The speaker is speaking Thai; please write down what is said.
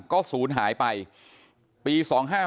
ก็ศูนย์หายไปปี๒๕๕๙